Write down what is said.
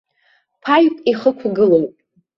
Ԥаҩк ихықәгылоуп.